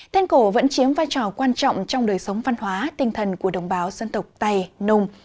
then cổ vẫn chiếm vai trò quan trọng trong đời sống văn hóa tinh thần của đồng bào dân tộc tài nùng